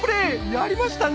やりましたね！